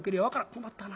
「困ったな。